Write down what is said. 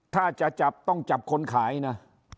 ถ้าจะจับต้องจับคนขายนะ